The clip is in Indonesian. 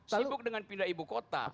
sibuk dengan pindah ibu kota